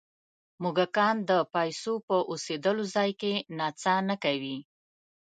موږکان د پیسو په اوسېدلو ځای کې نڅا نه کوي.